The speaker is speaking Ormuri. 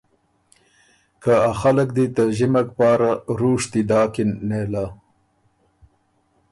که ا خلق دی ته ݫِمک پاره رُوشتي داکِن نېله۔